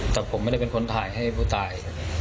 แต่ผมไม่ได้เป็นคนถ่ายให้ผู้ตาย